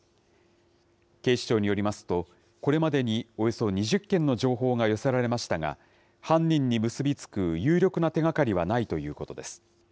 警視庁によりますと、これまでにおよそ２０件の情報が寄せられましたが、犯人に結び付く有力な手がかりはないということです。